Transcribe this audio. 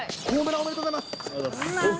おめでとうございます。